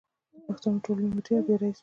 د پښتو ټولنې لوی مدیر او بیا رئیس و.